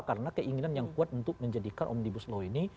karena keinginan yang kuat untuk menjadikan omnibus law ini